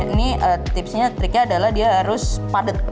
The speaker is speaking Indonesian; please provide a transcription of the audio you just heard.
tapi ini tipsnya adalah dia harus padet